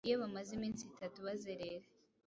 Iyo bamaze iminsi itatu bazerera